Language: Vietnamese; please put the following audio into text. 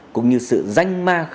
cũng như sự danh ma